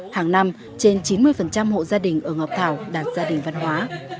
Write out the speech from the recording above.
hàng năm trên chín mươi hộ gia đình ở ngọc thảo đạt gia đình văn hóa